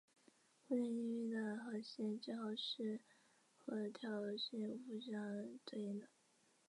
古典音乐的和弦记号是和调性互相对应的。